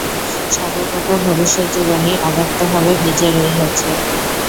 সর্বপ্রকার ভবিষ্যৎ জীবনই অব্যক্তভাবে বীজে রহিয়াছে।